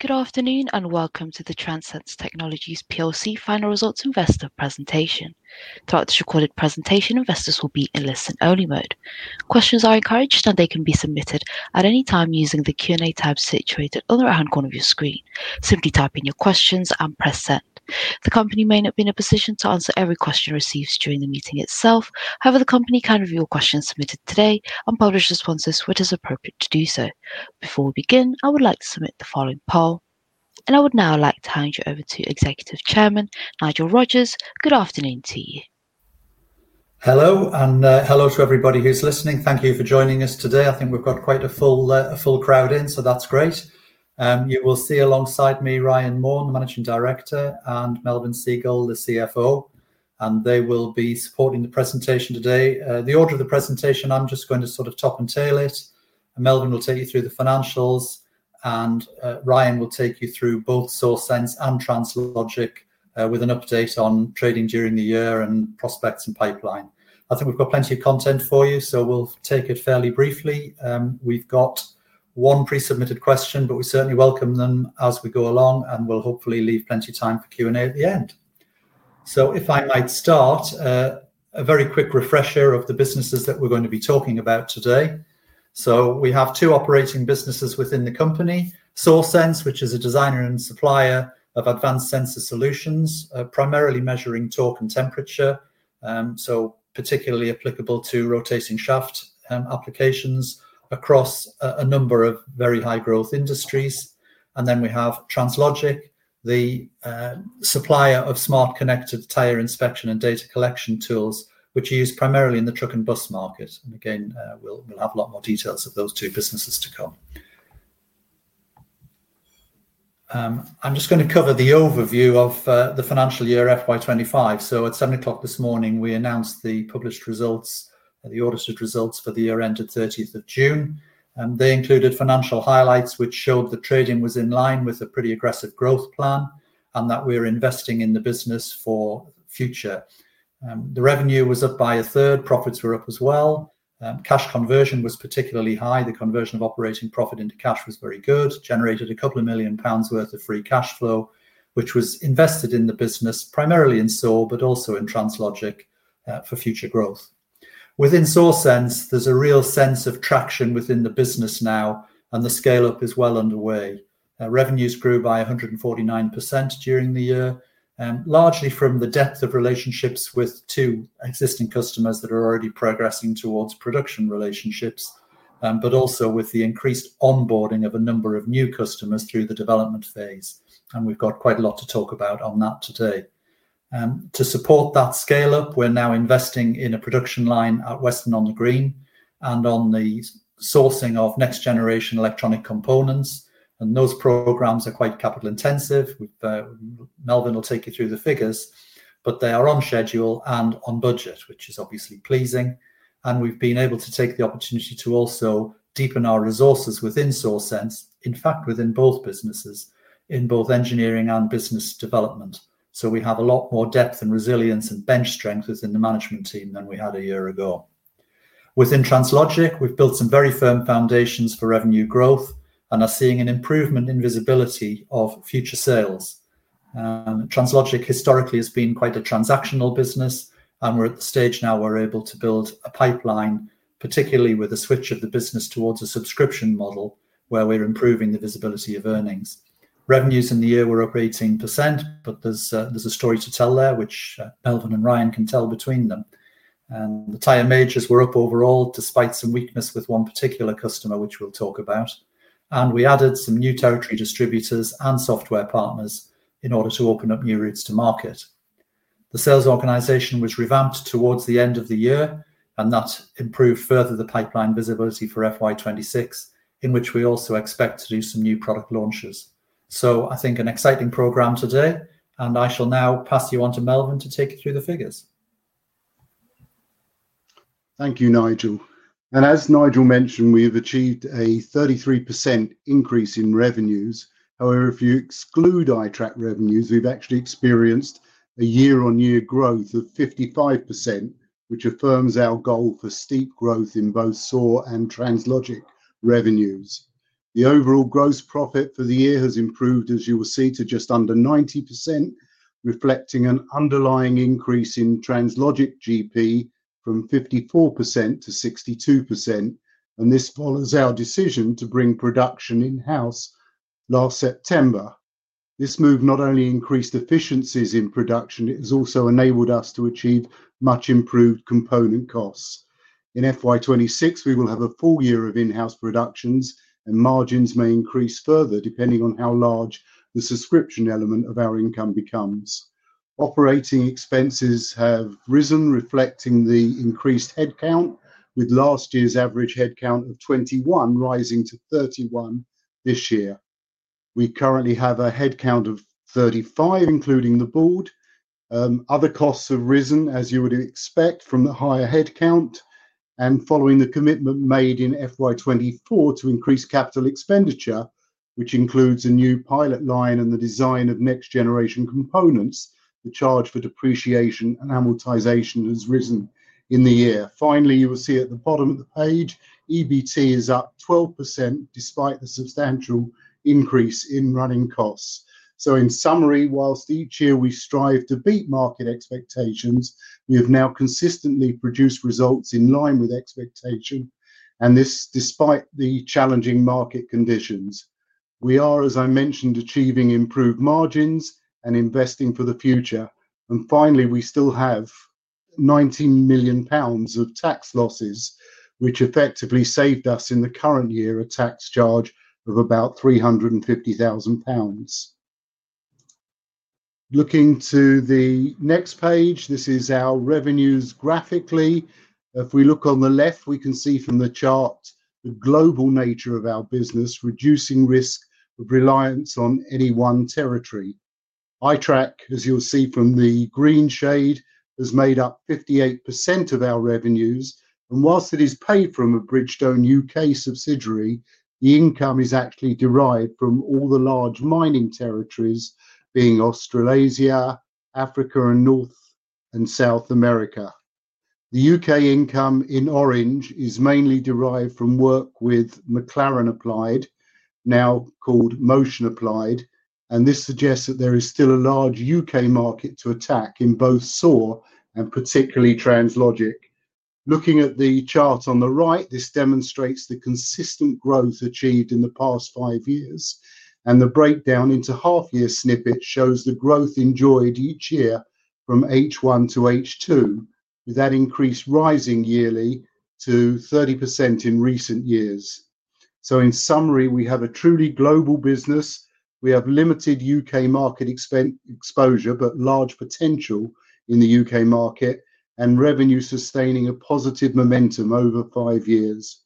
Good afternoon and welcome to the Transense Technologies plc Final Results Investor presentation. Throughout this recorded presentation, investors will be in listen-only mode. Questions are encouraged and they can be submitted at any time using the Q&A tab situated on the right hand corner of your screen. Simply type in your questions and press send. The company may not be in a position to answer every question received during the meeting itself. However, the company can review all questions submitted today and publish responses where it is appropriate to do so. Before we begin, I would like to submit the following poll, and I would now like to hand you over to Executive Chairman Nigel Rogers. Good afternoon to you. Hello and hello to everybody who's listening. Thank you for joining us today. I think we've got quite a full crowd in, so that's great. You will see alongside me Ryan Maughan, the Managing Director, and Melvyn Segal, the CFO, and they will be supporting the presentation today. The order of the presentation, I'm just going to sort of talk and tail it. Melvyn will take you through the financials and Ryan will take you through both SAWsense and Translogik with an update on trading during the year and prospects and pipeline. I think we've got plenty of content for you, so we'll take it fairly briefly. We've got one pre-submitted question, but we certainly welcome them as we go along and we'll hopefully leave plenty of time for Q&A at the end. If I might start, a very quick refresher of the businesses that we're going to be talking about today. We have two operating businesses within the company: SAWsense, which is a designer and supplier of advanced sensor solutions, primarily measuring torque and temperature, so particularly applicable to rotating shaft applications across a number of very high growth industries. Then we have Translogik, the supplier of smart connected tire inspection and data collection tools which are used primarily in the truck and bus market. Again, we'll have a lot more details of those two businesses to come. I'm just going to cover the overview of the financial year FY 2025. At 7:00 A.M. this morning, we announced the published results. The audited results for the year ended 30th of June. They included financial highlights which showed the trading was in line with a pretty aggressive growth plan and that we're investing in the business for future. The revenue was up by 1/3. Profits were up as well. Cash conversion was particularly high. The conversion of operating profit into cash was very good, generated a couple of million pounds worth of free cash flow which was invested in the business, primarily in SAW but also in Translogik for future growth. Within SAWsense, there's a real sense of traction within the business now and the scale up is well underway. Revenues grew by 149% during the year, largely from the depth of relationships with two existing customers that are already progressing towards production relationships, but also with the increased onboarding of a number of new customers through the development phase. We've got quite a lot to talk about on that today. To support that scale up. We're now investing in a production line at Weston-on-the-Green and on the sourcing of next-generation electronic components. Those programs are quite capital intensive. Melvyn will take you through the figures, but they are on schedule and on budget, which is obviously pleasing. We've been able to take the opportunity to also deepen our resources within SAWsense, in fact, within both businesses, in both engineering and business development. We have a lot more depth and resilience and bench strength within the management team than we had a year ago. Within Translogik, we've built some very firm foundations for revenue growth and are seeing an improvement in visibility of future sales. Translogik historically has been quite a transactional business and we're at the stage now we're able to build a pipeline, particularly with the switch of the business towards a subscription-based model where we're improving the visibility of earnings. Revenues in the year were up 18%, but there's a story to tell there which Melvyn and Ryan can tell between them. The tire majors were up overall despite some weakness with one particular customer, which we'll talk about. We added some new territory distributors and software partners in order to open up new routes to market. The sales organization was revamped towards the end of the year and that improved further the pipeline visibility for FY 2026 in which we also expect to do some new product launches. I think an exciting program today and I shall now pass you on to Melvyn to take you through the figures. Thank you, Nigel. As Nigel mentioned, we have achieved a 33% increase in revenues. However, if you exclude iTrack revenues, we've actually experienced a year-on-year growth of 55%, which affirms our goal for steep growth in both SAWsense and Translogik revenues. The overall gross profit for the year has improved, as you will see, to just under 90%, reflecting an underlying increase in Translogik GP from 54% to 62%. This follows our decision to bring production in-house last September. This move not only increased efficiencies in production, it has also enabled us to achieve much improved component costs. In FY 2026, we will have a full year of in-house production, and margins may increase further depending on how large the subscription element of our income becomes. Operating expenses have risen, reflecting the increased headcount. With last year's average headcount of 21 rising to 31 this year, we currently have a headcount of 35, including the Board. Other costs have risen, as you would expect from the higher headcount. Following the commitment made in FY 2024 to increase capital expenditure, which includes a new pilot line and the design of next-generation components, the charge for depreciation and amortization has risen in the year. Finally, you will see at the bottom of the page, EBT is up 12% despite the substantial increase in running costs. In summary, whilst each year we strive to beat market expectations, we have now consistently produced results in line with expectations. Despite the challenging market conditions, we are, as I mentioned, achieving improved margins and investing for the future. Finally, we still have 19 million pounds of tax losses, which effectively saved us in the current year a tax charge of about 350,000 pounds. Looking to the next page, this is our revenues graphically. If we look on the left, we can see from the chart the global nature of our business, reducing risk of reliance on any one territory. iTrack, as you'll see from the green shade, has made up 58% of our revenues. Whilst it is paid from a Bridgestone U.K. subsidiary, the income is actually derived from all the large mining territories, being Australasia, Africa, and North and South America. The U.K. income in orange is mainly derived from work with McLaren Applied, now called Motion Applied, and this suggests that there is still a large U.K. market to attack in both SAW and particularly Translogik. Looking at the chart on the right, this demonstrates the consistent growth achieved in the past five years. The breakdown into half year snippet shows the growth enjoyed each year from H1 to H2, with that increase rising yearly to 30% in recent years. In summary, we have a truly global business. We have limited U.K.-market exposure but large potential in the U.K. market and revenue sustaining a positive momentum over five years.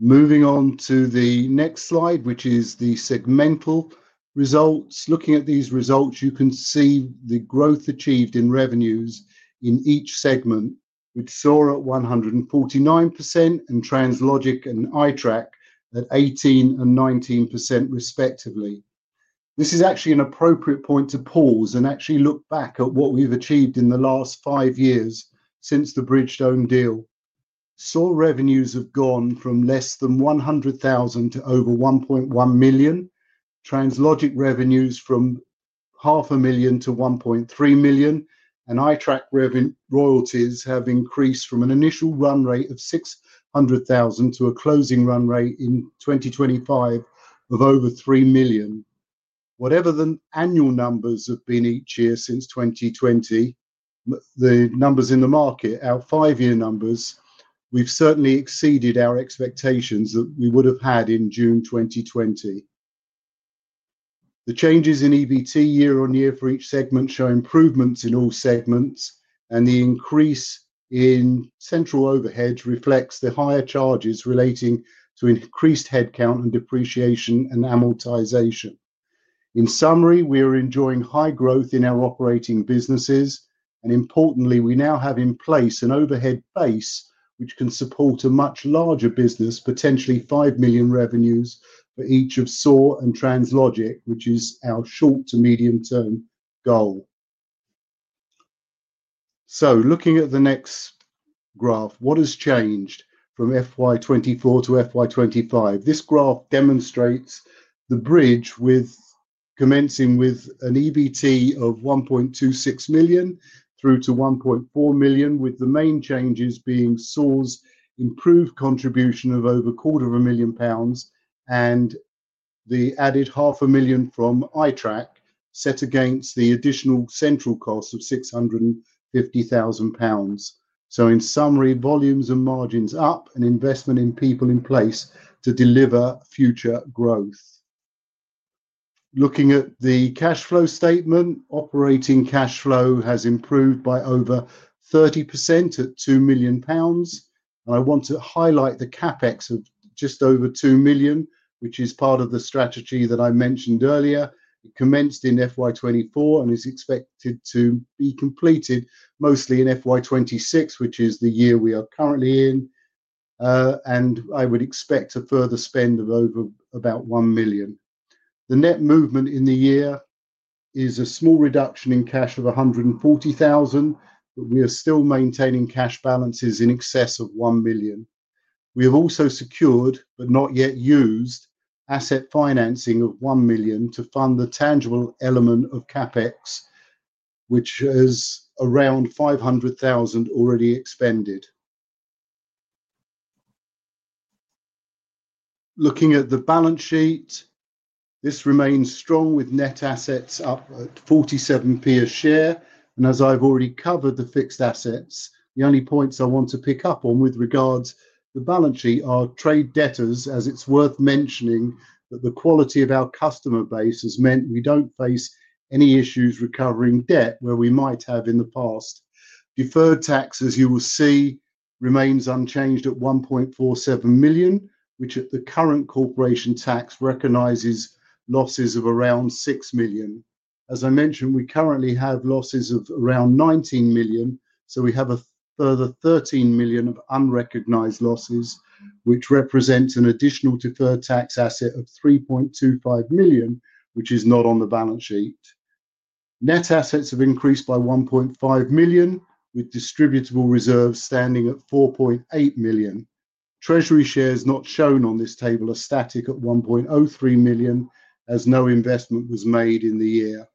Moving on to the next slide, which is the segmental results. Looking at these results, you can see the growth achieved in revenues in each segment, with SAW at 149% and Translogik and iTrack at 18% and 19% respectively. This is actually an appropriate point to pause and actually look back at what we've achieved in the last five years since the Bridgestone deal saw revenues have gone from less than 100,000 to over 1.1 million, Translogik revenues from 500,000 to 1.3 million and iTrack royalties have increased from an initial run rate of 600,000 to a closing run rate in 2025 of over 3 million. Whatever the annual numbers have been each year since 2020, the numbers in the market, our five-year numbers, we've certainly exceeded our expectations that we would have had in June 2020. The changes in EBT year-on-year for each segment show improvements in all segments and the increase in central overheads reflects the higher charges relating to increased headcount and depreciation and amortization. In summary, we are enjoying high growth in our operating businesses and importantly we now have in place an overhead base which can support a much larger business. Potentially 5 million revenues for each of SAW and Translogik, which is our short to medium-term goal. Looking at the next graph, what has changed from FY 2024 to FY 2025? This graph demonstrates the bridge with commencing with an EBT of 1.26 million through to 1.4 million, with the main changes being SAW's improved contribution of over 250,000 pounds and the added 500,000 from iTrack set against the additional central cost of 650,000 pounds. In summary, volumes and margins up and investment in people in place to deliver future growth. Looking at the cash flow statement, operating cash flow has improved by over 30% at 2 million pounds. I want to highlight the CapEx of just over 2 million which is part of the strategy that I mentioned earlier. Commenced in FY 2024 and is expected to be completed mostly in FY 2026, which is the year we are currently in, and I would expect a further spend of over about 1 million. The net movement in the year is a small reduction in cash of 140,000, but we are still maintaining cash balances in excess of 1 million. We have also secured but not yet used asset financing of 1 million to fund the tangible element of CapEx, which has over around 500,000 already expended. Looking at the balance sheet, this remains strong with net assets up at 0.47 a share, and as I've already covered the fixed assets, the only points I want to pick up on with regards to the balance sheet are trade debtors, as it's worth mentioning that the quality of our customer base has meant we don't face any issues recovering debt where we might have in the past. Deferred tax, as you will see, remains unchanged at 1.47 million, which at the current corporation tax recognizes losses of around 6 million. As I mentioned, we currently have losses of around 19 million, so we have a further 13 million of unrecognized losses, which represents an additional deferred tax asset of 3.25 million, which is not on the balance sheet. Net assets have increased by 1.5 million, with distributable reserves standing at 4.8 million. Treasury shares not shown on this table are static at 1.03 million, as no investment was made in the year.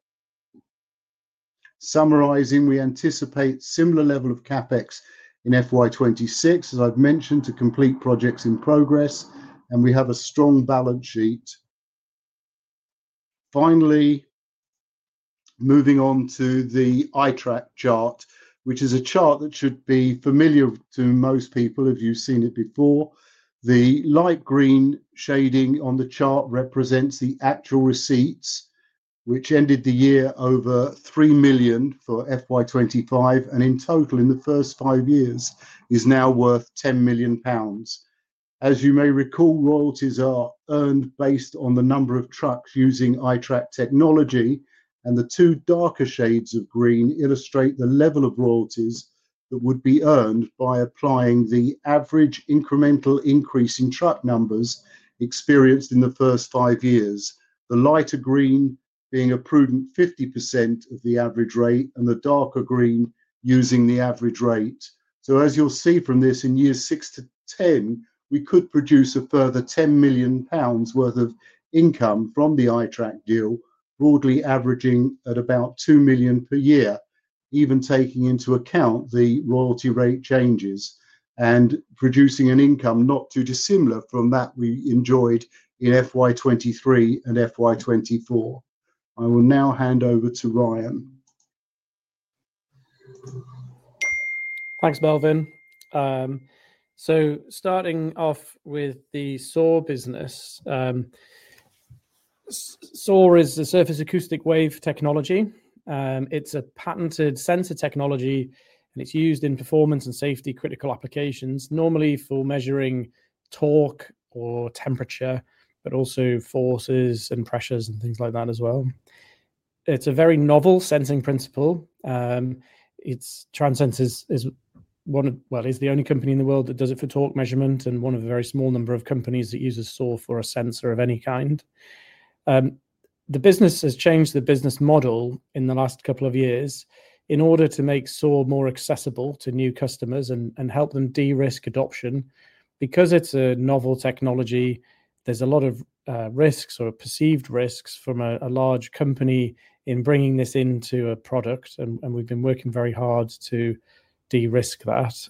Summarizing, we anticipate a similar level of CapEx in FY 2026, as I've mentioned, to complete projects in progress, and we have a strong balance sheet. Finally, moving on to the iTrack chart, which is a chart that should be familiar to most people if you've seen it before. The light green shading on the chart represents the actual receipts, which ended the year over 3 million for FY 2025, and in total in the first five years is now worth 10 million pounds. As you may recall, royalties are earned based on the number of trucks using iTrack technology, and the two darker shades of green illustrate the level of royalties that would be earned by applying the average incremental increase in truck numbers experienced in the first five years. The lighter green being a prudent 50% of the average rate and the darker green using the average rate. As you'll see from this, in years six to 10, we could produce a further 10 million pounds worth of income from the iTrack deal, broadly averaging at about 2 million per year, even taking into account the royalty rate changes and producing an income not too dissimilar from that we enjoyed in FY 2023 and FY 2024. I will now hand over to Ryan. Thanks, Melvyn. Starting off with the SAW business. SAW is the Surface Acoustic Wave technology. It's a patented sensor technology and it's used in performance and safety critical applications, normally for measuring torque or temperature, but also forces and pressures and things like that as well. It's a very novel sensing principle. Transense is one. Is the only company in the world that does it for torque measurement and one of a very small number of companies that uses SAW for a sensor of any kind. The business has changed the business model in the last couple of years in order to make SAW more accessible to new customers and help them de-risk adoption because it's a novel technology, there's a lot of risks or perceived risks from a large company in bringing this into a product. We've been working very hard to de-risk that.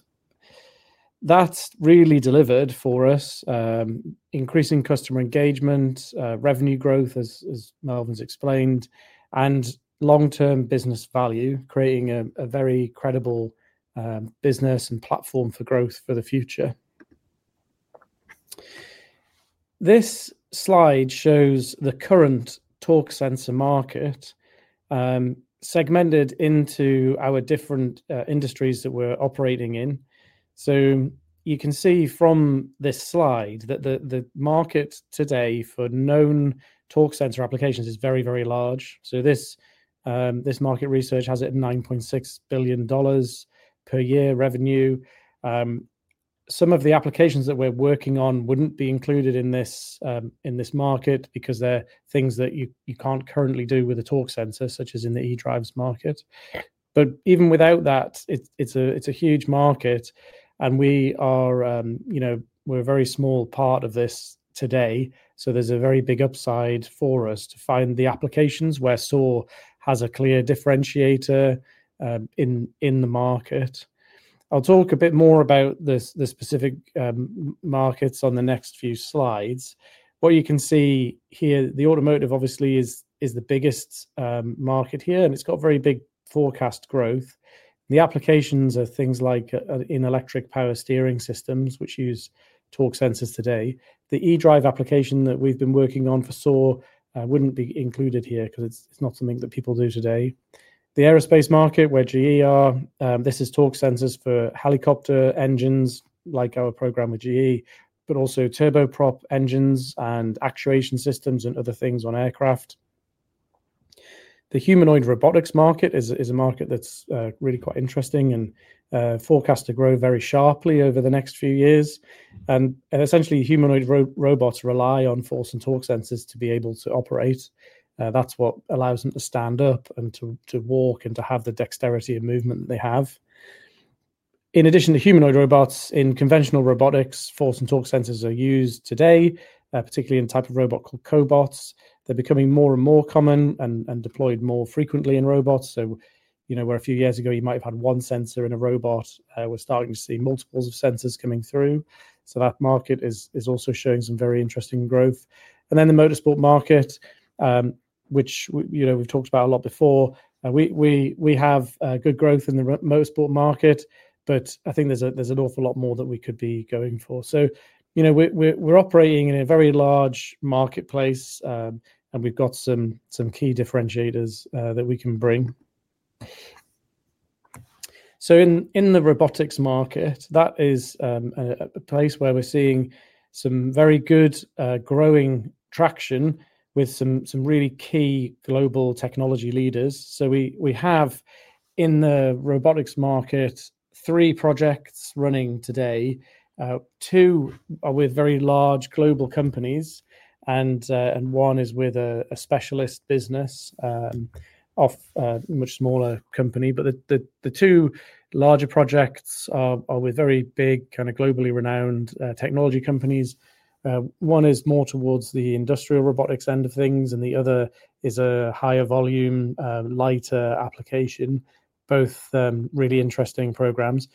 That's really delivered for us, increasing customer engagement, revenue growth, as Melvyn's explained, and long-term business value, creating a very credible business and platform for growth for the future. This slide shows the current torque sensor market segmented into our different industries that we're operating in. You can see from this slide that the market today for known torque sensor applications is very, very large. This market research has it at $9.6 billion per year revenue. Some of the applications that we're working on wouldn't be included in this market because they're things that you can't currently do with a torque sensor, such as in the eDrives market. Even without that, it's a huge market and we are, you know, we're a very small part of this today. There's a very big upside for us to find the applications where SAW has a clear differentiator in the market. I'll talk a bit more about the specific markets on the next few slides. What you can see here, the Automotive obviously is the biggest market here and it's got very big forecast growth. The applications are things like in electric power steering systems which use torque sensors. Today the eDrive application that we've been working on for SAW wouldn't be included here because it's not something that people do today. The Aerospace market where GE are, this is torque sensors for helicopter engines like our program with GE, but also turboprop engines and actuation systems and other things on aircraft. The Humanoid Robotics market is a market that's really quite interesting and forecast to grow very sharply over the next few years. Essentially, humanoid robots rely on force and torque sensors to be able to operate. That's what allows them to stand up and to walk and to have the dexterity of movement. In addition to humanoid robots, in conventional robotics, force and torque sensors are used today, particularly in a type of robot called cobots. They're becoming more and more common and deployed more frequently in robots. Where a few years ago you might have had one sensor in a robot, we're starting to see multiples of sensors coming through. That market is also showing some very interesting growth. The Motorsport market, which you know, we've talked about a lot before, we have good growth in the motorsport market, but I think there's an awful lot more that we could be going for. We're operating in a very large marketplace and we've got some key differentiators that we can bring. In the Robotics market, that is a place where we're seeing some very good growing traction with some really key global technology leaders. We have in the robotics market three projects running today. Two are with very large global companies and one is with a specialist business of much smaller company. The two larger projects are with very big kind of globally renowned technology companies. One is more towards the industrial robotics end of things and the other is a higher volume, lighter application. Both really interesting programs.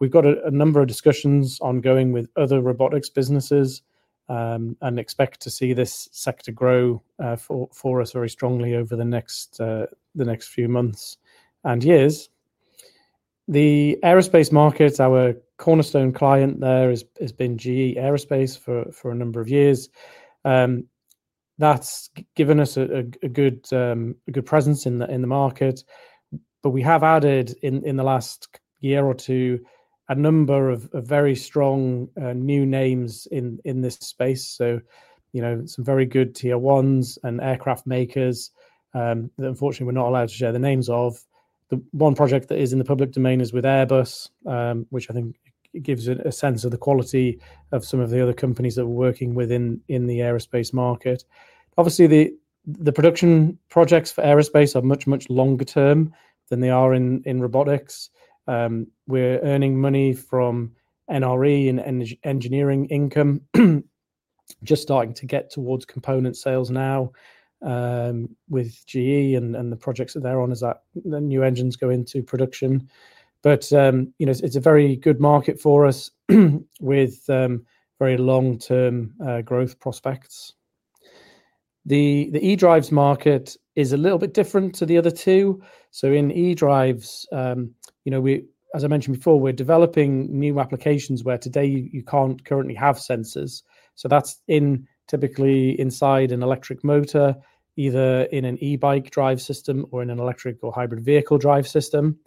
We've got a number of discussions ongoing with other robotics businesses and expect to see this sector grow for us very strongly over the next few months and years. The Aerospace markets, our cornerstone client there has been GE Aerospace for a number of years. That's given us a good presence in the market. We have added in the last year or two a number of very strong new names in this space, so some very good Tier 1s and aircraft makers that unfortunately we're not allowed to share the names of. The one project that is in the public domain is with Airbus, which I think gives a sense of the quality of some of the other companies that we're working within in the aerospace market. Obviously, the production projects for aerospace are much, much longer term than they are in robotics. We're earning money from NRE and engineering income. Just starting to get towards component sales now with GE and the projects that they're on as the new engines go into production. It's a very good market for us with very long term growth prospects. The eDrives market is a little bit different to the other two. In eDrive, as I mentioned before, we're developing new applications where today you can't currently have sensors. So. That's in typically inside an electric motor, either in an e-bike system or in an electric or hybrid vehicle drive system.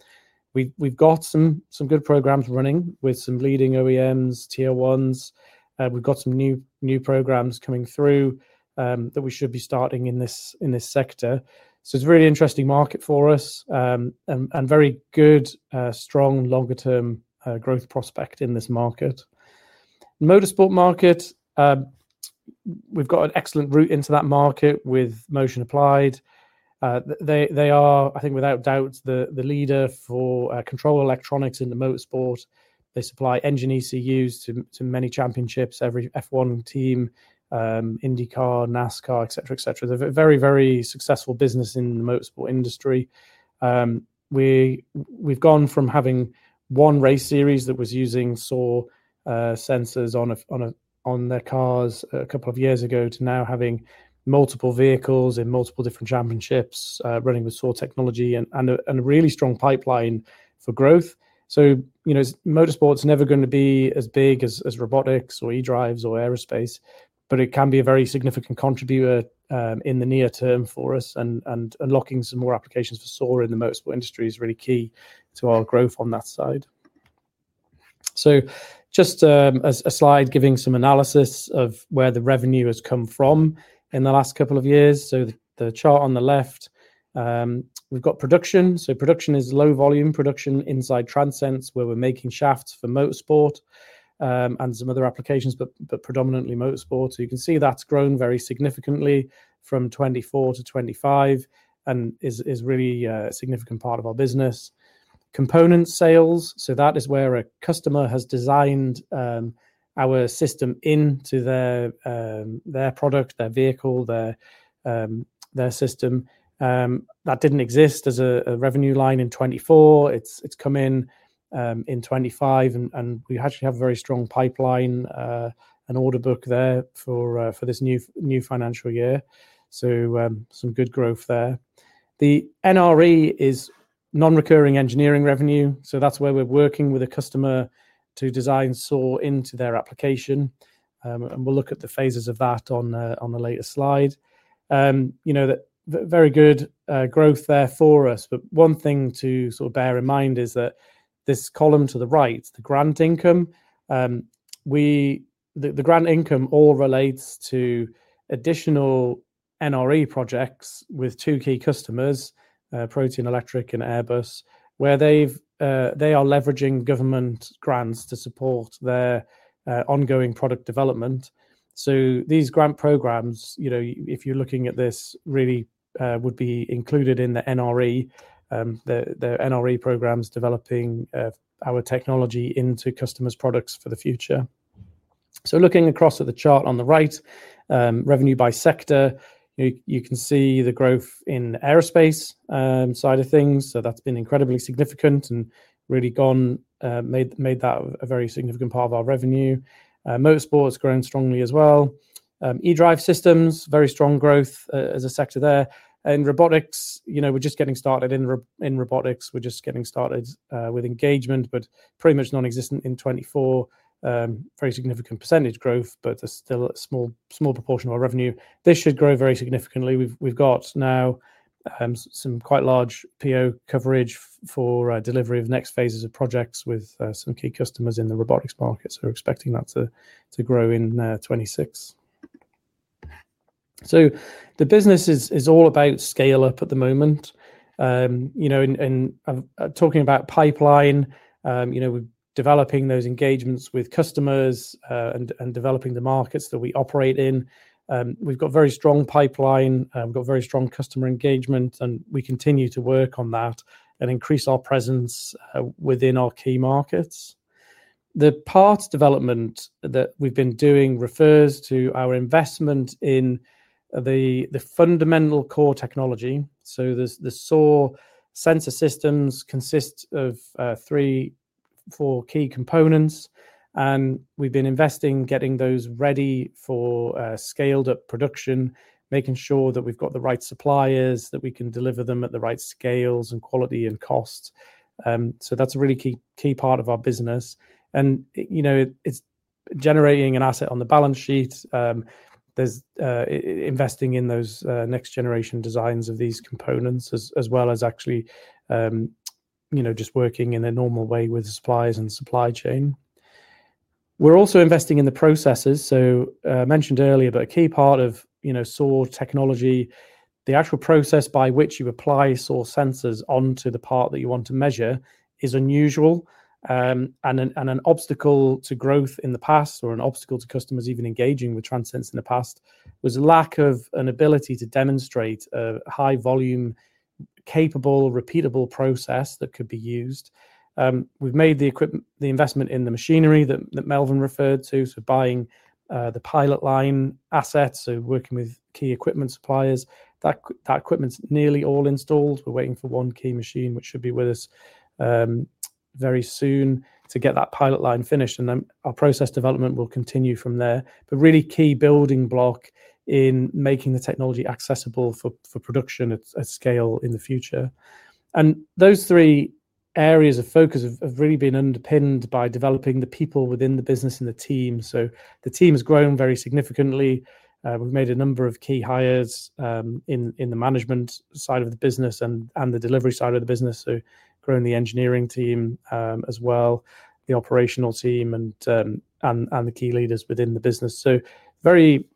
We've got some good programs running with some leading OEMs, Tier 1s. We've got some new programs coming through that we should be starting in this sector. It's a really interesting market for us and very good, strong longer-term growth prospect in this market. Motorsport market, we've got an excellent route into that market with Motion Applied. They are, I think without doubt, the leader for control electronics in motorsport. They supply engine ECUs to many championships, every F1 team, IndyCar, NASCAR, etc. They're a very, very successful business in the motorsport industry. We've gone from having one race series that was using SAWsensors on their cars a couple of years ago to now having multiple vehicles in multiple different championships running the SAW technology and a really strong pipeline for growth. Motorsport's never going to be as big as robotics or eDrives or aerospace, but it can be a very significant contributor in the near term for us. Unlocking some more applications for SAW in the motorsport industry is really key to our growth on that side. A slide gives some analysis of where the revenue has come from in the last couple of years. The chart on the left, we've got production, so production is low volume. Production inside Transense, where we're making shafts for motorsport and some other applications, but predominantly motorsports. You can see that's grown very significantly from 2024 to 2025 and is really a significant part of our business component sales. That is where a customer has designed our system into their product, their vehicle, their system. That didn't exist as a revenue line in 2024, it's come in in 2025 and we actually have a very strong pipeline and order book there for this new financial year. Some good growth there. The NRE is non-recurring engineering revenue. That's where we're working with a customer to design SAW into their application and we'll look at the phases of that on the later slide. Very good growth there for us. One thing to bear in mind is that this column to the right, the grant income. The grant income all relates to additional NRE projects with two key customers, Protean and Airbus, where they are leveraging government grants to support their ongoing product development. These grant programs, if you're looking at this, really would be included in the NRE. The NRE programs developing our technology into customers' products for the future. Looking across at the chart on the right, revenue by sector, you can see the growth in the aerospace side of things. That's been incredibly significant and really made that a very significant part of our revenue. Most boards growing strongly as well. EDrive systems, very strong growth as a sector there. Robotics, we're just getting started in robotics, we're just getting started with engagement but pretty much non-existent in 2024. Very significant percentage growth, but there's still a small, small proportion of our revenue. This should grow very significantly. We've got now some quite large PO coverage for delivery of next phases of projects with some key customers in the robotics market. We're expecting that to grow in 2026. The business is all about scale up at the moment and talking about pipeline. We're developing those engagements with customers and developing the markets that we operate in, we've got very strong pipeline, we'dve got very strong customer engagement and we continue to work on that and increase our presence within our key markets. The parts development that we've been doing refers to our investment in the fundamental core technology. The SAWsensor systems consist of three, four key components and we've been investing, getting those ready for scaled up production, making sure that we've got the right suppliers, that we can deliver them at the right scales and quality and cost. That's a really key part of our business. It's generating an asset on the balance sheet. There's investing in those next-generation designs of these components as well as actually just working in a normal way with suppliers and supply chain. We're also investing in the processes. I mentioned earlier, a key part of SAW technology, the actual process by which you apply SAWsensors onto the part that you want to measure, is unusual. An obstacle to growth in the past, or an obstacle to customers even engaging with Transense in the past, was lack of an ability to demonstrate a high volume, capable, repeatable process that could be used. We've made the investment in the machinery that Melvyn referred to, so buying the pilot line assets, working with key equipment suppliers. That equipment's nearly all installed. We're waiting for one key machine which should be with us very soon to get that pilot line finished, and then our process development will continue from there. A really key building block in making the technology accessible for production at scale in the future. Those three areas of focus have really been underpinned by developing the people within the business and the team. The team has grown very significantly. We've made a number of key hires in the management side of the business and the delivery side of the business, growing the engineering team as well as the operational team and the key leaders within the business. We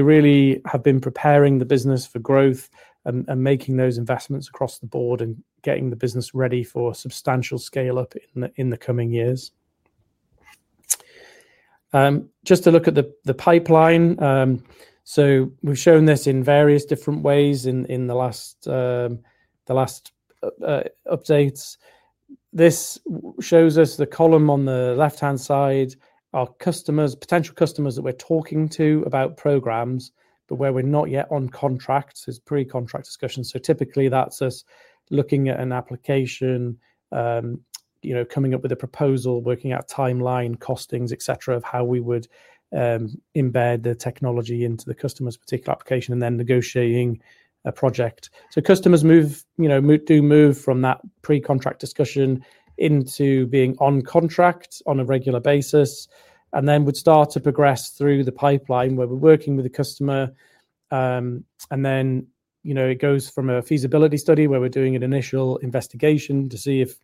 really have been preparing the business for growth and making those investments across the board and getting the business ready for substantial scale up in the coming years. Just to look at the pipeline, we've shown this in various different ways in the last updates. This shows us the column on the left hand side, our customers, potential customers that we're talking to about programs, but where we're not yet on contract, it's pre-contract discussion. Typically that's us looking at an application, coming up with a proposal, working out timeline, costings, etc., of how we would embed the technology into the customer's particular application and then negotiating a project. Customers do move from that pre-contract discussion into being on contract on a regular basis and then would start to progress through the pipeline where we're working with the customer. It goes from a feasibility study where we're doing an initial investigation to see if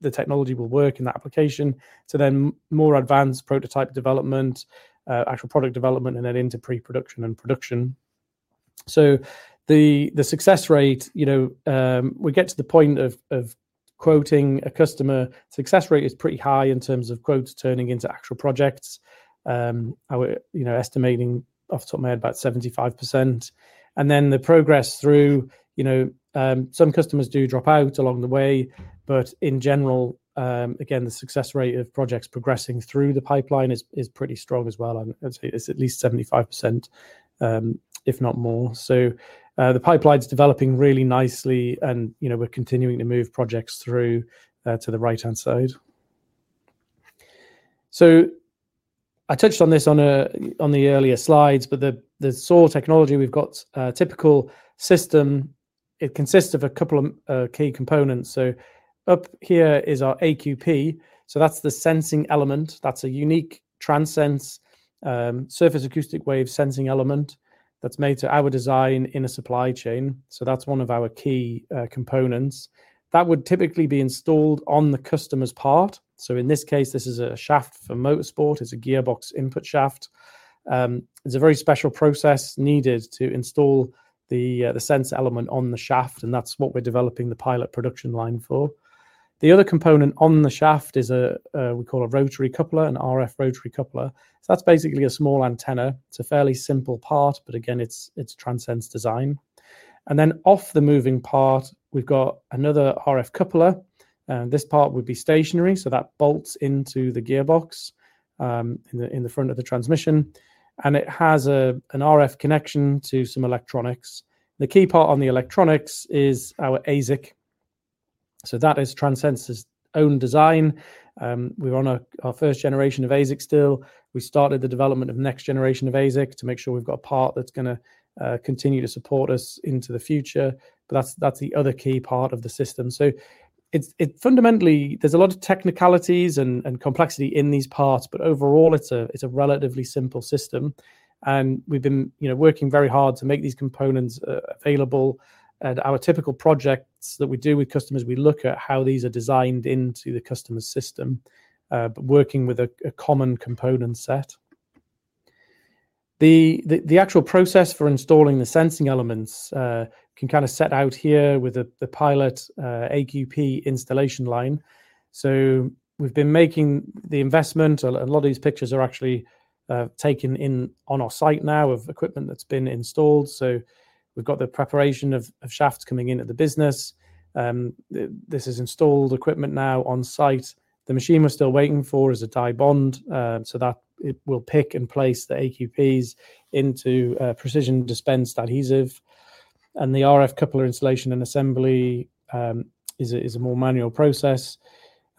the technology will work in the application to more advanced prototype development, actual product development, and then into pre-production and production. The success rate, when we get to the point of quoting a customer, is pretty high in terms of quotes turning into actual projects. Estimating off the top of my head, about 75%. The progress through, some customers do drop out along the way, but in general again the success rate of projects progressing through the pipeline is pretty strong as well. It's at least 75% if not more. The pipeline's developing really nicely and you know, we're continuing to move projects through to the right hand side. I touched on this on the earlier slides, but the SAW technology we've got, typical system, it consists of a couple of key components. Up here is our AQP. That's the sensing element. That's a unique Transense Surface Acoustic Wave sensing element that's made to our design in a supply chain. That's one of our key components that would typically be installed on the customer's part. In this case, this is a shaft for motorsport. It's a gearbox input shaft. It's a very special process needed to install the sense element on the shaft. That's what we're developing the pilot production line for. The other component on the shaft is what we call a rotary coupler, an RF rotary coupler. That's basically a small antenna. It's a fairly simple part, but again it's Transense's design. Off the moving part we've got another RF coupler. This part would be stationary so that bolts into the gearbox in the front of the transmission and it has an RF connection to some electronics. The key part on the electronics is our ASIC. That is Transense's own design. We're on our first generation of ASIC still. We started the development of next-generation of ASIC to make sure we've got a part that's going to continue to support us into the future. That's the other key part of the system. Fundamentally there's a lot of technicalities and complexity in these parts, but overall it's a relatively simple system. We've been working very hard to make these components available and our typical projects that we do with customers, we look at how these are designed into the customer system working with a common component set. The actual process for installing the sensing elements can kind of set out here with the pilot AQP installation line. We've been making the investment. A lot of these pictures are actually taken on our site now of equipment that's been installed. We've got the preparation of shafts coming into the business. This is installed equipment now on site. The machine we're still waiting for is a die bond so that it will pick and place the AQPs into precision dispensed adhesive and the RF coupler. Installation and assembly is a more manual process.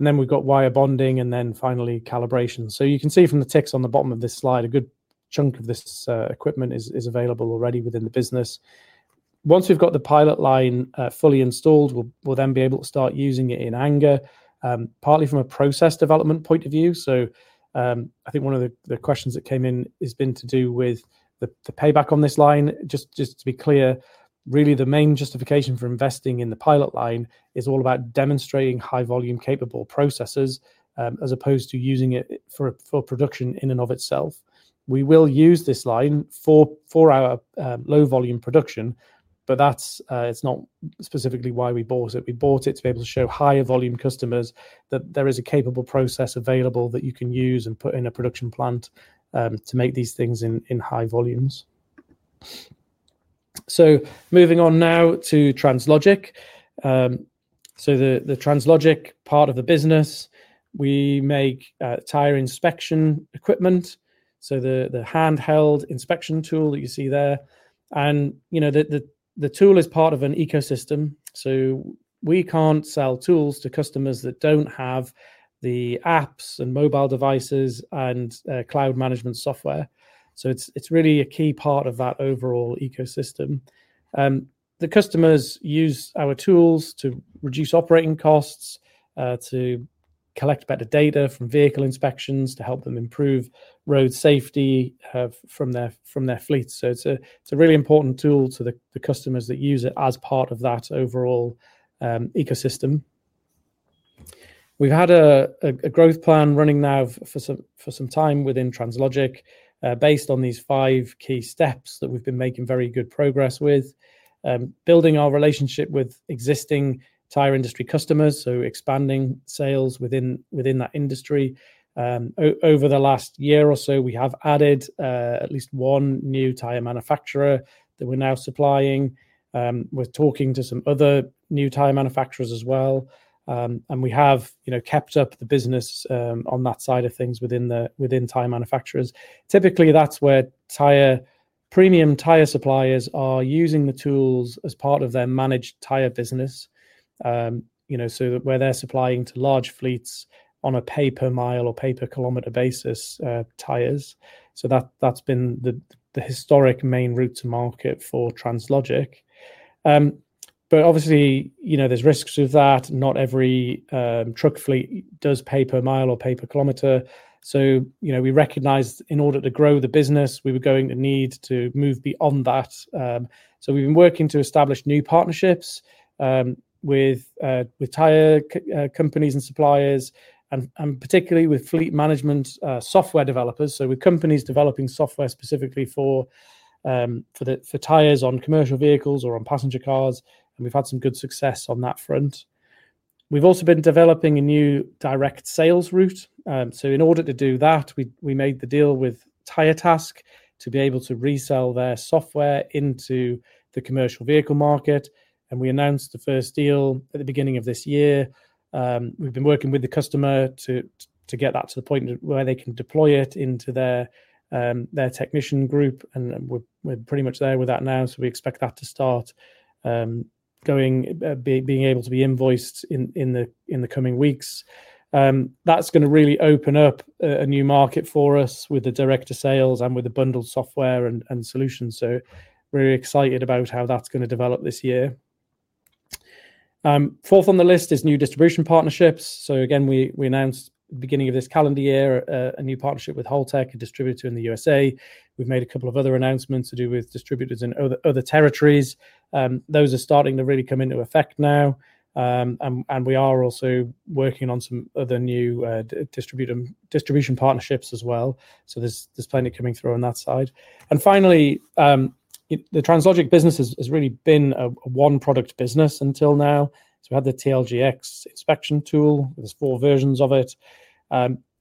Then we've got wire bonding and finally calibration. You can see from the ticks on the bottom of this slide, a good chunk of this equipment is available already within the business. Once we've got the pilot line fully installed, we'll then be able to start using it in anger, partly from a process development point of view. I think one of the questions that came in has been to do with the payback on this line. Just to be clear, really the main justification for investing in the pilot line is all about demonstrating high-volume capable processes as opposed to using it for production. In and of itself, we will use this line for our low-volume production, but that's not specifically why we bought it. We bought it to be able to show higher-volume customers that there is a capable process available that you can use and put in a production plant to make these things in high volumes. Moving on now to Translogik. The Translogik part of the business, we make tire inspection equipment. The handheld inspection tool that you see there is part of an ecosystem. We can't sell tools to customers that don't have the apps and mobile devices and cloud management software. It's really a key part of that overall ecosystem. The customers use our tools to reduce operating costs, to collect better data from vehicle inspections, to help them improve road safety from their fleets. It's a really important tool to the customers that use it as part of that overall ecosystem. We've had a growth plan running now for some time within Translogik based on these five key steps. We've been making very good progress with building our relationship with existing tire industry customers, expanding sales within that industry. Over the last year or so, we have added at least one new tire manufacturer that we're now supplying. We're talking to some other new tire manufacturers as well. We have kept up the business on that side of things within tire manufacturers. Typically, that's where premium-tire suppliers are using the tools as part of their managed tire business, where they're supplying to large fleets on a pay per mile or pay per kilometer basis tires. That has been the historic main route to market for Translogik. Obviously, there are risks with that. Not every truck fleet does pay per mile or pay per kilometer. We recognized in order to grow the business we were going to need to move beyond that. We have been working to establish new partnerships with tire companies and suppliers, particularly with fleet management software developers. With companies developing software specifically for tires on commercial vehicles or on passenger cars, we've had some good success on that front. We've also been developing a new direct sales route. In order to do that, we made the deal with TIRETASK to be able to resell their software into the commercial vehicle market. We announced the first deal at the beginning of this year. We've been working with the customer to get that to the point where they can deploy it into their technician group, and we're pretty much there with that now. We expect that to start being able to be invoiced in the coming weeks. That is going to really open up a new market for us with the direct sales and with the bundled software and solutions. We are really excited about how that's going to develop this year. Fourth on the list is new distribution partnerships. We announced at the beginning of this calendar year a new partnership with Haltech, a distributor in the U.S. We've made a couple of other announcements to do with distributors in other territories. Those are starting to really come into effect now. We are also working on some other new distribution partnerships as well. There is plenty coming through on that side. Finally, the Translogik business has really been a one product business until now. We have the TLGX inspection tool; there are four versions of it.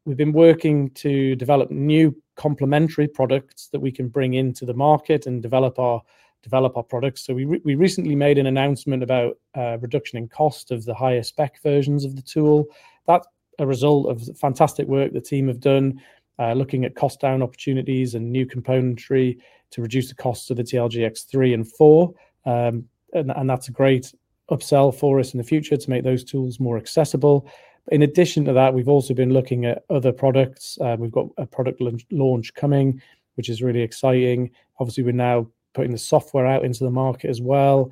We've been working to develop new complementary products that we can bring into the market and develop our products. We recently made an announcement about reduction in cost of the higher-spec versions of the tool. That's a result of fantastic work the team have done looking at cost down opportunities and new componentry to reduce the costs of the TLGX3 and TLGX4. That's a great upsell for us in the future to make those tools more accessible. In addition to that, we've also been looking at other products. We've got a product launch coming which is really exciting. Obviously, we're now putting the software out into the market as well.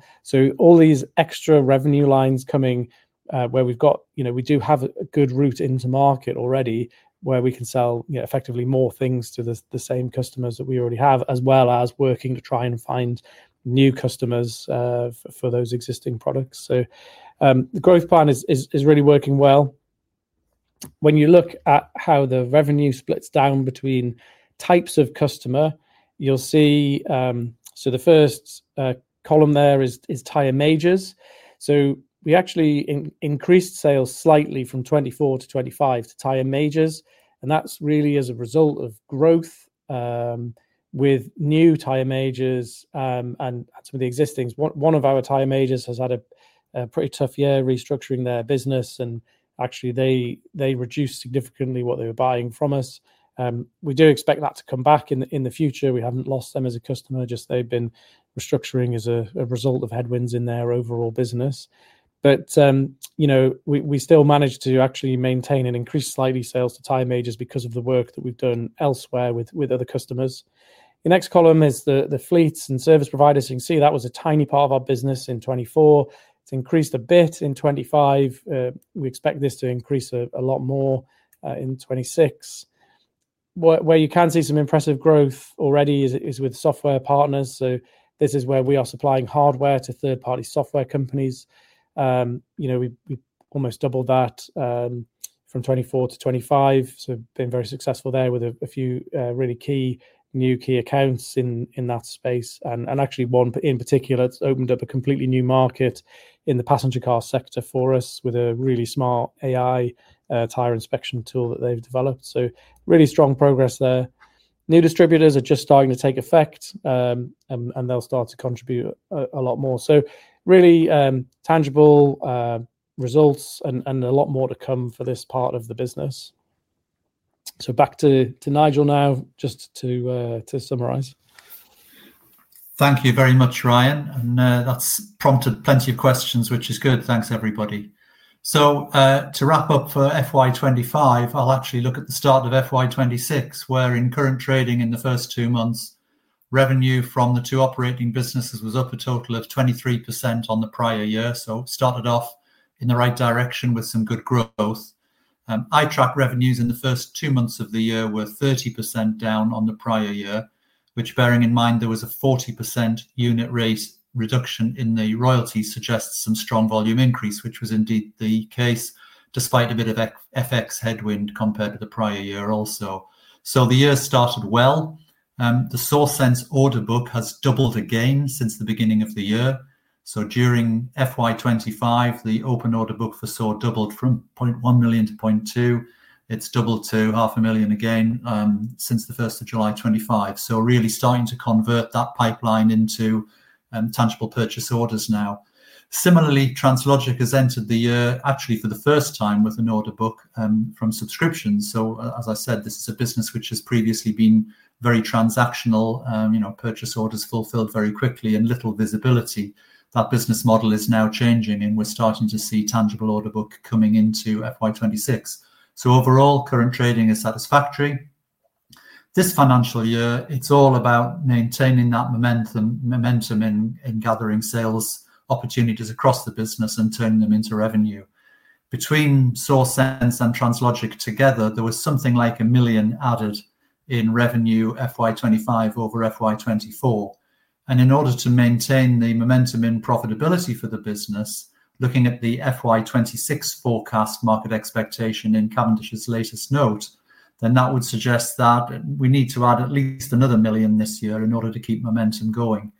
All these extra revenue lines are coming where we've got, you know, we do have a good route into market already where we can sell effectively more things to the same customers that we already have, as well as working to try and find new customers for those existing products. The growth plan is really working well. When you look at how the revenue splits down between types of customer, you'll see. The first column there is tire majors. We actually increased sales slightly from 2024 to 2025 to tire majors, and that's really as a result of growth with new tire majors and some of the existing. One of our tire majors has had a pretty tough year restructuring their business, and they reduced significantly what they were buying from us. We do expect that to come back in the future. We haven't lost them as a customer, just they've been restructuring as a result of headwinds in their overall business. We still managed to actually maintain and increase slightly sales to tire majors because of the work that we've done elsewhere with other customers. The next column is the fleets and service providers. You can see that was a tiny part of our business in 2024, increased a bit in 2025. We expect this to increase a lot more in 2026. Where you can see some impressive growth already is with software partners. This is where we are supplying hardware to third party software companies. We almost doubled that from 2024 to 2025, so been very successful there with a few really key new key accounts in that space. Actually, one in particular has opened up a completely new market in the passenger car sector for us with a really smart AI tire inspection tool that they've developed. Really strong progress there. New distributors are just starting to take effect and they'll start to contribute a lot more. Really tangible results and a lot more to come for this part of the business. Back to Nigel now, just to summarize. Thank you very much, Ryan. That's prompted plenty of questions, which is good. Thanks everybody. To wrap up for FY 2025, I'll actually look at the start of FY 2026, where in current trading in the first two months, revenue from the two operating businesses was up a total of 23% on the prior year, so started off in the right direction with some good growth. iTrack revenues in the first two months of the year were 30% down on the prior year, which, bearing in mind there was a 40% unit rate reduction in the royalty, suggests some strong volume increase, which was indeed the case despite a bit of FX headwind compared to the prior year also. The year started well. The SAWsense order book has doubled again since the beginning of the year. During FY 2025, the open order book for SAW doubled from 0.1 million to 0.2 million. It's doubled to 0.5 million again since the 1st of July, 2025. Really starting to convert that pipeline into tangible purchase orders now. Similarly, Translogik has entered the year actually for the first time with an order book from subscriptions. As I said, this is a business which has previously been very transactional, purchase orders fulfilled very quickly and little visibility. That business model is now changing and we're starting to see tangible order book coming into FY 2026. Overall, current trading is satisfactory this financial year. It's all about maintaining that momentum in gathering sales opportunities across the business and turning them into revenue. Between SAWsense and Translogik together, there was something like 1 million added in revenue, FY 2025 over FY 2024. In order to maintain the momentum in profitability for the business, looking at the FY 2026 forecast market expectation in Cavendish's latest note, that would suggest that we need to add at least another 1 million this year in order to keep momentum going.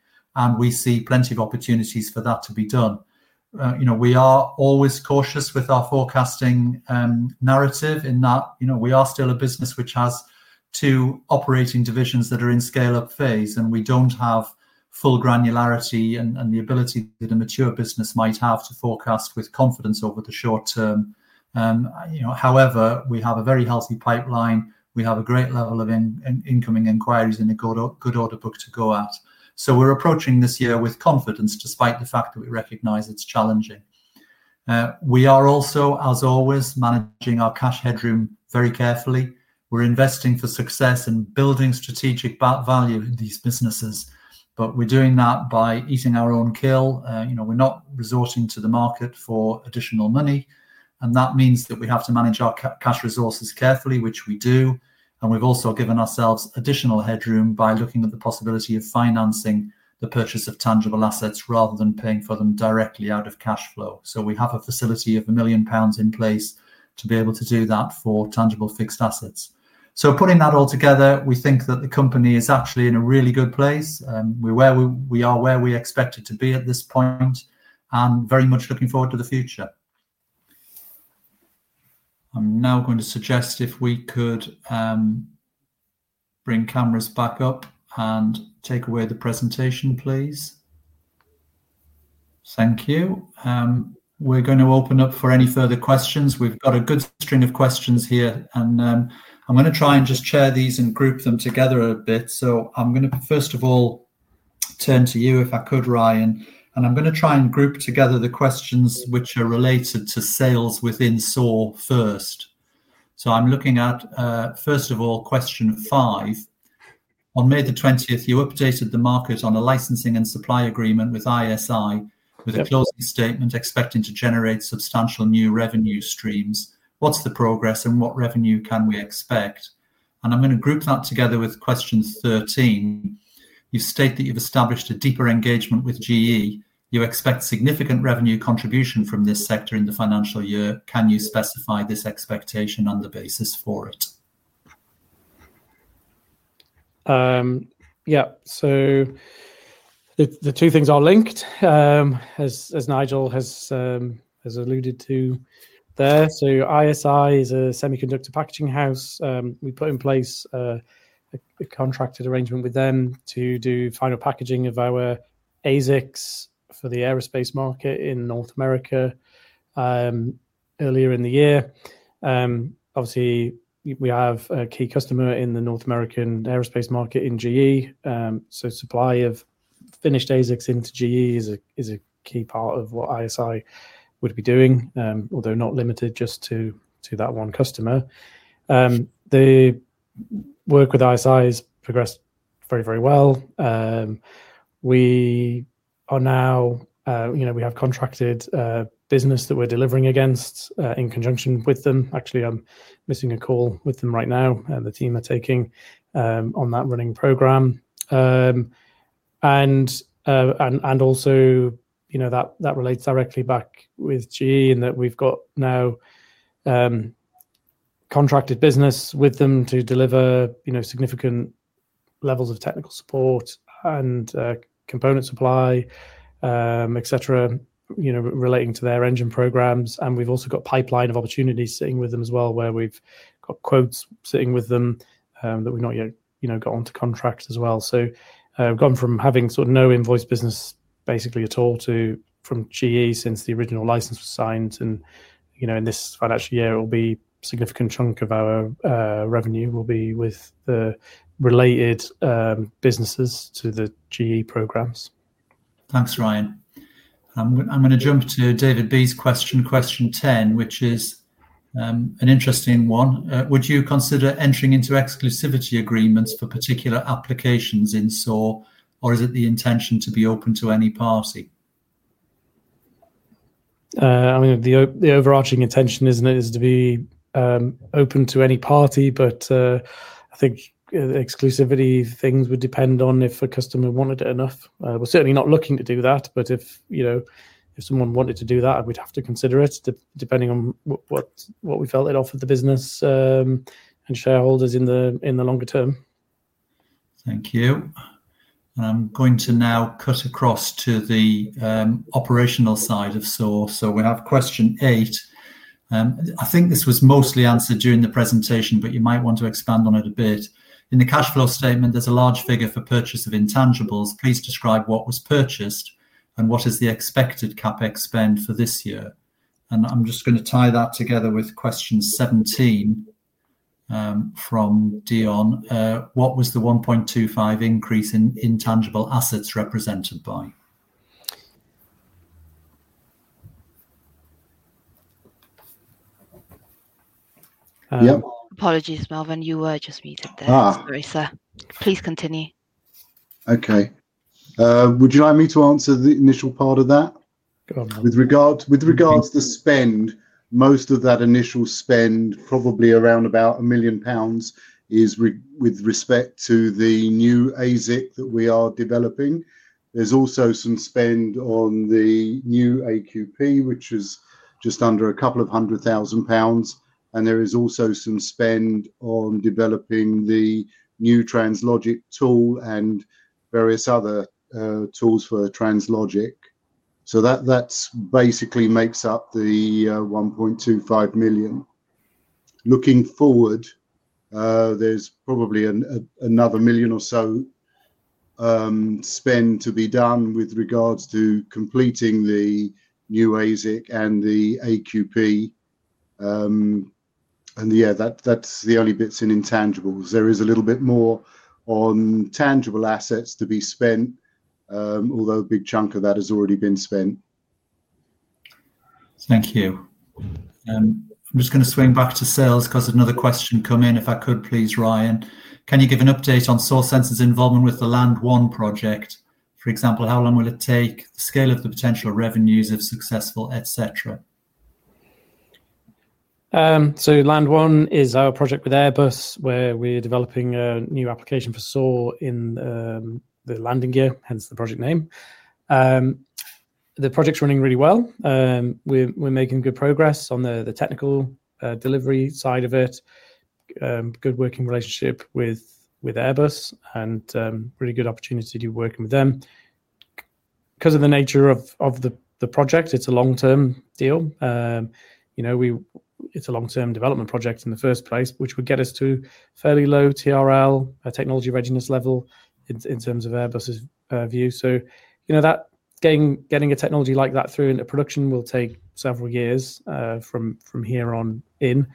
We see plenty of opportunities for that to be done. We are always cautious with our forecasting narrative in that we are still a business which has two operating divisions that are in scale up phase and we don't have full granularity and the ability that a mature business might have to forecast with confidence over the short term. However, we have a very healthy pipeline. We have a great level of incoming inquiries and a good order book to go at. We're approaching this year with confidence, despite the fact that we recognize it's challenging. We are also, as always, managing our cash headroom very carefully. We're investing for success in building, building strategic value in these businesses, but we're doing that by eating our own kale. We're not resorting to the market for additional money, and that means that we have to manage our cash resources carefully, which we do. We've also given ourselves additional headroom by looking at the possibility of financing the purchase of tangible assets rather than paying for them directly out of cash flow. We have a facility of 1 million pounds in place to be able to do that for tangible fixed assets. Putting that all together, we think that the company is actually in a really good place. We are where we expected to be at this point and very much looking forward to the future. I'm now going to suggest if we could bring cameras back up and take away the presentation, please. Thank you. We're going to open up for any further questions. We've got a good string of questions here, and I'm going to try and just share these and group them together a bit. I'm going to first of all turn to you if I could, Ryan, and I'm going to try and group together the questions which are related to sales within SAW first. I'm looking at, first of all, question five. On May 20th, you updated the market on a licensing and supply agreement with ISI with a closing statement expecting to generate substantial new revenue streams. What's the progress and what revenue can we expect? I'm going to group that together with question 13. You state that you've established a deeper engagement with GE. You expect significant revenue contribution from this sector in the financial year. Can you specify this expectation and the basis for it? Yeah. The two things are linked, as Nigel has alluded to there. ISI is a semiconductor packaging house. We put in place a contracted arrangement with them to do final packaging of our ASICs for the aerospace market in North America earlier in the year. Obviously we have a key customer in the North American aerospace market in GE. Supply of finished ASICs into GE is a key part of what ISI would be doing, although not limited just to that one customer. The work with ISI has progressed very, very well. We have contracted business that we're delivering against in conjunction with them. Actually, I'm missing a call with them right now and the team, they're on that running program. That relates directly back with GE in that we've got now contracted business with them to deliver significant levels of technical support and component supply, etc., relating to their engine programs. We've also got pipeline of opportunities sitting with them as well, where we've got quotes sitting with them that we've not yet got onto contracts as well. We've gone from having sort of no invoice business basically at all from GE since the original license was signed. In this financial year, it will be significant chunk of our revenue with the related businesses to the GE programs. Thanks, Ryan. I'm going to jump to David B's question, question 10, which is an interesting one. Would you consider entering into exclusivity agreements for particular applications in SAW, or is it the intention to be open to any party? The overarching intention isn't. It is to be open to any party. I think exclusivity things would depend on if a customer wanted it enough. We're certainly not looking to do that. If someone wanted to do that, we'd have to consider it, depending on what we felt it offered the business and shareholders in the longer term. Thank you. I'm going to now cut across to the operational side of source, so we'll have question eight. I think this was mostly answered during the presentation, but you might want to expand on it a bit. In the cash flow statement, there's a large figure for purchase of intangibles. Please describe what was purchased and what is the expected CapEx spend for this year. I'm just going to tie that together with question 17 from Dion. What was the 1.25 million increase in intangible assets represented by? Apologies, Melvyn, you were just meeting Theresa. Please continue. Okay, would you like me to answer? The initial part of that with regards to spend? Most of that initial spend, probably around about 1 million pounds, is with respect to the new ASIC that we are developing. There's also some spend on the new AQP, which is just under 200,000 pounds. There is also some spend on developing the new Translogik tool and various other tools for Translogik. That basically makes up the 1.25 million. Looking forward, there's probably another 1 million or so spend to be done with regards to completing the new ASIC and the AQP. That's the only bits in intangibles. There is a little bit more on tangible assets to be spent, although a big chunk of that has already been spent. Thank you. I'm just going to swing back to sales because another question come in if I could please. Ryan, can you give an update on SAWsense's involvement with the LANDOne project? For example, how long will it take, scale of the potential revenues if successful, etc. LANDOne is our project with Airbus where we're developing a new application for SAW in the landing gear, hence the project name. The project's running really well. We're making good progress on the technical delivery side of it, good working relationship with Airbus and really good opportunity to be working with them because of the nature of the project. It's a long-term deal, you know, it's a long term development project in the first place, which would get us to fairly low TRL, technology readiness level, in terms of Airbus's view. You know that getting a technology like that through into production will take several years from here on in.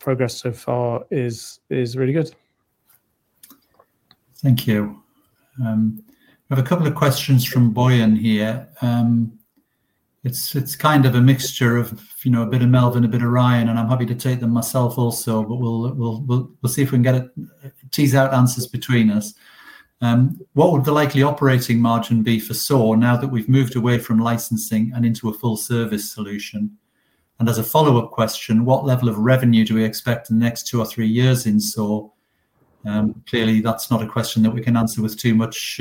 Progress so far is really good. Thank you. We have a couple of questions from Bojan here. It's kind of a mixture of a bit of Melvyn, a bit of Ryan, and I'm happy to take them myself also. We'll see if we can get it tease out answers between us. What would the likely operating margin be for SAW now that we've moved away from licensing and into a full service solution? As a follow up question, what level of revenue do we expect in the next two or three years in SAW? Clearly that's not a question that we can answer with too much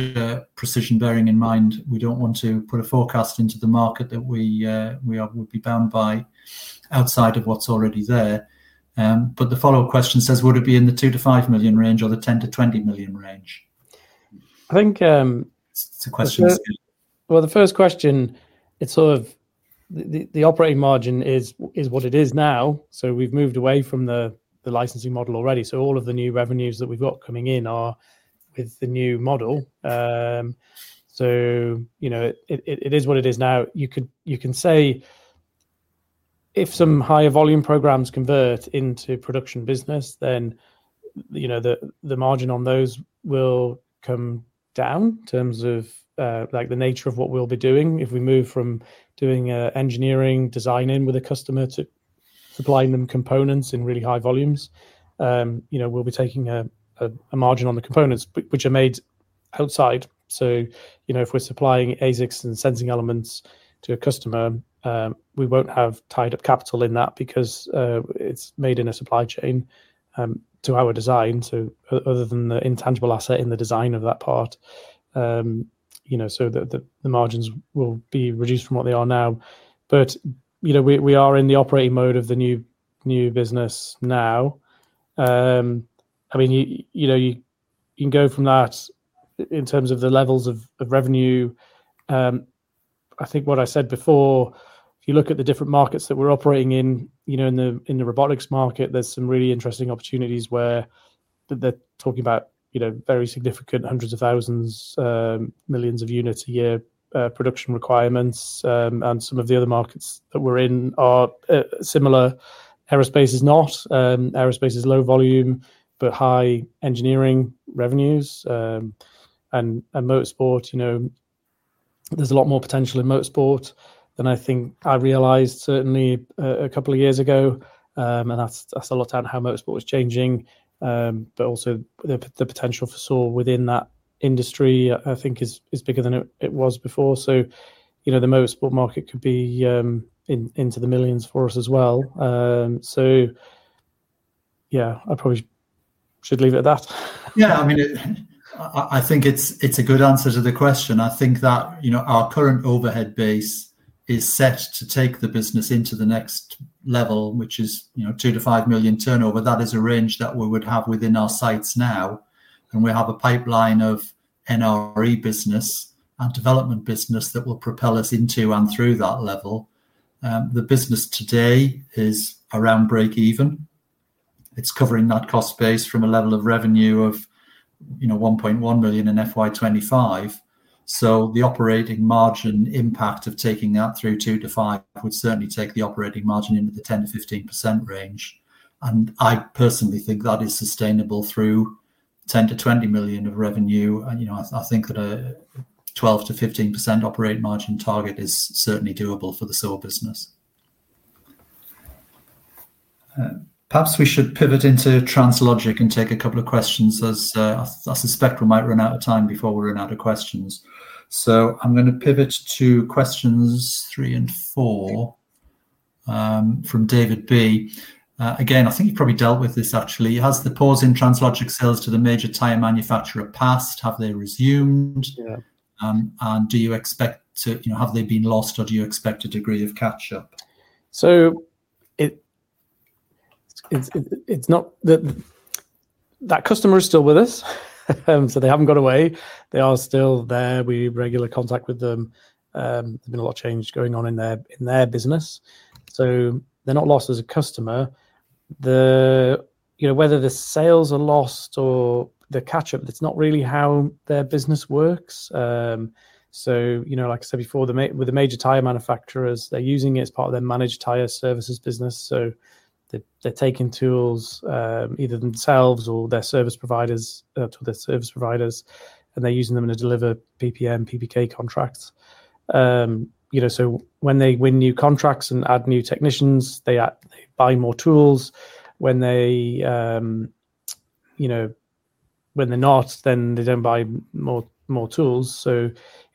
precision, bearing in mind we don't want to put a forecast into the market that we would be bound by outside of what's already there. The follow up question says would it be in the 2 million-5 million range or the 10 million-20 million range? Yes, I think. The first question, it's sort of the operating margin is what it is now. We've moved away from the licensing model already. All of the new revenues that we've got coming in are with the new model. It is what it is now. You can say if some higher volume programs convert into production business then, you know, the margin on those will come down in terms of the nature of what we'll be doing. If we move from doing engineering design in with a customer to supplying them components in really high volumes, we'll be taking a margin on the components which are made outside. If we're supplying ASICs and sensing elements to a customer, we won't have tied up capital in that because it's made in a supply chain to our design. Other than the intangible asset in the design of that part, the margins will be reduced from what they are now. We are in the operating mode of the new business now. You can go from that in terms of the levels of revenue. I think what I said before, if you look at the different markets that we're operating in, in the robotics market, there's some really interesting opportunities where they're talking about very significant hundreds of thousands, millions of units a year production requirements. Some of the other markets that we're in are similar. Aerospace is not. Aerospace is low volume, but high engineering revenues. Motorsport, there's a lot more potential in motorsport than I think I realized certainly a couple of years ago. That's a lot about how motorsport is changing. The potential for SAW within that industry I think is bigger than it was before. The motorsport market could be into the millions for us as well. I probably should leave it at that. Yeah, I mean I think it's a good answer to the question. I think that our current overhead base is set to take the business into the next level, which is, you know, 2 million-5 million turnover. That is a range that we would have within our sights now. We have a pipeline of NRE business and development business that will propel us into and through that level. The business today is around break even. It's covering that cost base from a level of revenue of, you know, 1.1 million in FY 2025. The operating margin impact of taking that through 2 million-5 million would certainly take the operating margin into the 10%-15% range. I personally think that is sustainable through 10 million-20 million of revenue. I think that a 12%-15% operating margin target is certainly doable for the SAW business. Perhaps we should pivot into Translogik and take a couple of questions as I suspect we might run out of time before we run out of questions. I'm going to pivot to questions three and four from David B. I think you've probably dealt with this actually. Has the pause in Translogik sales to the major tire manufacturer passed? Have they resumed and do you expect to, you know, have they been lost or do you expect a degree of catch up? It's not that the customer is still with us. They haven't got away, they are still there. We have regular contact with them, been a lot of change going on in their business. They're not lost as a customer. Whether the sales are lost or the catch up, that's not really how their business works. Like I said before with the major tire manufacturers, they're using it as part of their managed tire services business. They're taking tools, either themselves or their service providers, to their service providers and they're using them to deliver PPM and PPK contracts. When they win new contracts and add new technicians, they buy more tools. When they're not, then they don't buy more tools.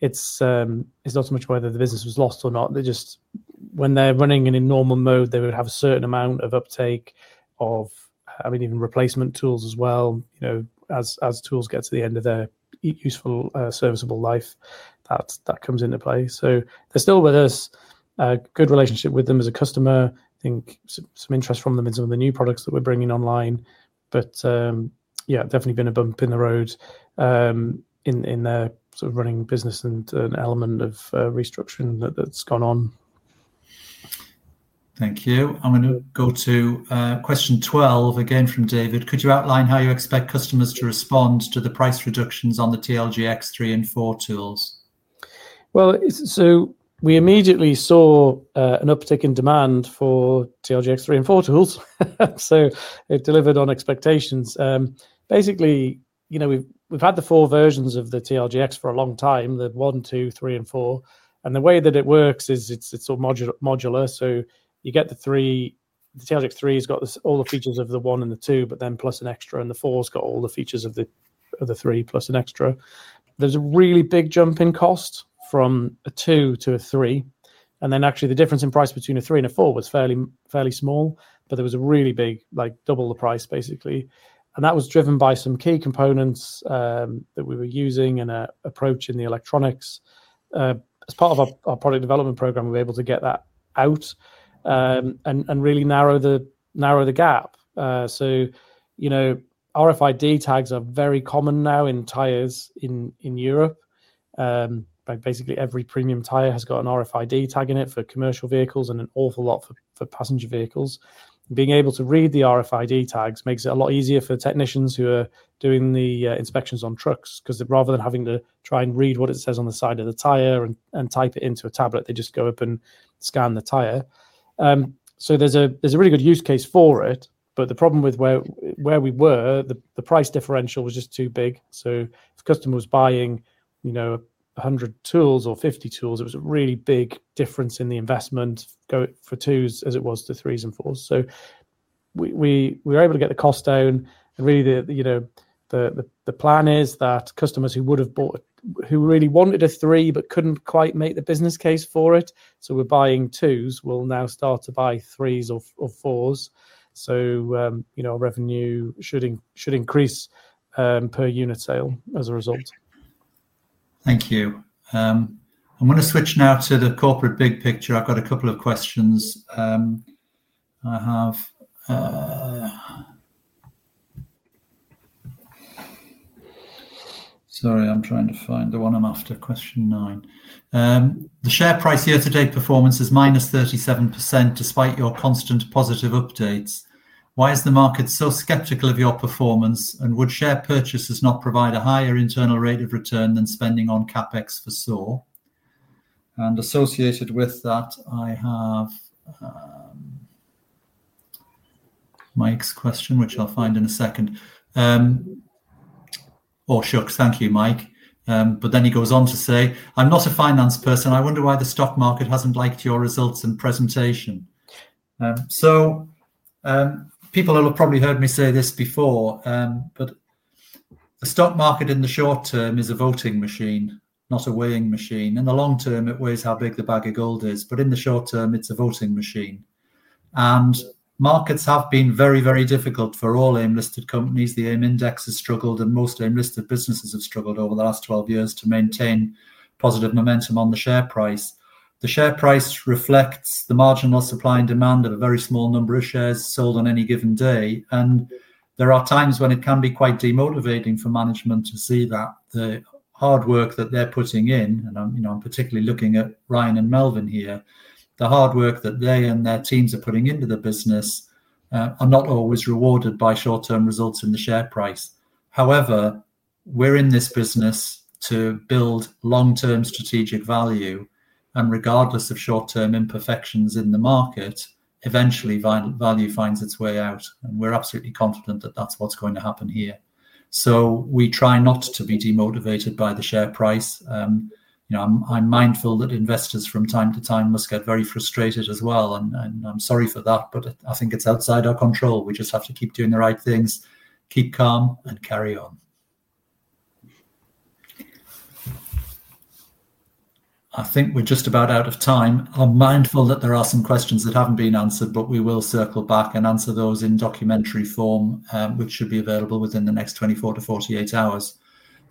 It's not so much whether the business was lost or not. When they're running in normal mode, they would have a certain amount of uptake of, I mean, even replacement tools as well, you know, as tools get to the end of their useful, serviceable life, that comes into play. They're still with us, a good relationship with them as a customer. I think some interest from them in some of the new products that we're bringing online. Yeah, definitely been a bump in the road in their sort of running business and an element of restructuring that's gone on. Thank you. I'm going to go to question 12 again from David. Could you outline how you expect customers to respond to the price reductions on the TLGX3 and TLGX4 tools? We immediately saw an uptick in demand for TLGX3 and TLGX4 tools. It delivered on expectations, basically. You know, we've had the four versions of the TLGX for a long time, the TLGX1, TLGX2, TLGX3, and TLGX4. The way that it works is it's all modular. You get the TLGX3. The TLGX3 has got all the features of the TLGX1 and the TLGX2, plus an extra, and the TLGX4's got all the features of the TLGX3, plus an extra. There's a really big jump in cost from a TLGX2 to a TLGX3. Actually, the difference in price between a TLGX3 and a TLGX4 was fairly small, but there was a really big, like double the price, basically. That was driven by some key components that we were using and approaching the electronics as part of our product development program. We were able to get that out and really narrow the gap. RFID tags are very common now in tires in Europe. Basically every premium tire has got an RFID tag in it for commercial vehicles and an awful lot for passenger vehicles. Being able to read the RFID tags makes it a lot easier for technicians who are doing the inspections on trucks, because rather than having to try and read what it says on the side of the tire and type it into a tablet, they just go up and scan the tire. There's a really good use case for it. The problem with where we were, the price differential was just too big. If customers are buying 100 tools or 50 tools, it was a really big difference in the investment for twos as it was to threes and fours. We were able to get the cost down. Really the plan is that customers who would have bought, who really wanted a three but couldn't quite make the business case for it, so were buying twos, will now start to buy threes or fours. Our revenue should increase per unit sale as a result. Thank you. I'm going to switch now to the corporate big picture. I've got a couple of questions I have. Sorry, I'm trying to find the one I'm after. Question nine. The share price year to date performance is -37%. Despite your constant positive updates, why is the market so skeptical of your performance? Would share purchases not provide a higher internal rate of return than spending on CapEx for SAW? Associated with that, I have Mike's question, which I'll find in a second. Thank you, Mike. He goes on to say, I'm not a finance person. I wonder why the stock market hasn't liked your results and presentation. People will have probably heard me say this before, but a stock market in the short term is a voting machine, not a weighing machine. In the long term, it weighs how big the bag of gold is, but in the short term, it's a voting machine. Markets have been very, very difficult for all AIM listed companies. The AIM index has struggled, and most AIM-listed businesses have struggled over the last 12 years to maintain positive momentum on the share price. The share price reflects the marginal supply and demand of a very small number of shares sold on any given day. There are times when it can be quite demotivating for management to see that the hard work that they're putting in, and I'm particularly looking at Ryan and Melvyn here, the hard work that they and their teams are putting into the business are not always rewarded by short term results in the share price. However, we're in this business to build long-term strategic value, and regardless of short-term imperfections in the market, eventually value finds its way out, and we're absolutely confident that that's what's going to happen here. We try not to be demotivated by the share price. I'm mindful that investors from time to time must get very frustrated as well, and I'm sorry for that, but I think it's outside our control. We just have to keep doing the right things, keep calm and carry on. I think we're just about out of time. I'm mindful that there are some questions that haven't been answered, but we will circle back and answer those in documentary form, which should be available within the next 24-48 hours.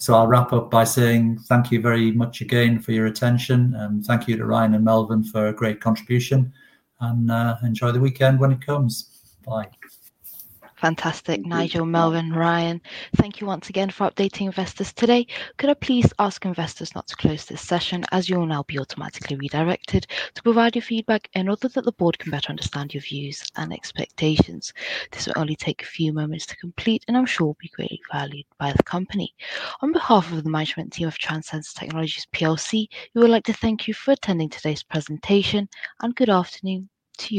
I'll wrap up by saying thank you very much again for your attention, and thank you to Ryan and Melvyn for a great contribution, and enjoy the weekend when it comes. Bye. Fantastic. Nigel, Melvyn, Ryan, thank you once again for updating investors today. Could I please ask investors not to close this session, as you will now be automatically redirected to provide your feedback in order that the board can better understand your views and expectations. This will only take a few moments to complete, and I'm sure will be greatly valued by the company. On behalf of the management team of Transense Technologies plc, we would like to thank you for attending today's presentation and good afternoon to you.